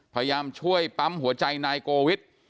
พยายามช่วยปั๊มหัวใจนายโกวิท